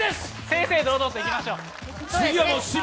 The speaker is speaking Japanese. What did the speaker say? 正々堂々といきましょう！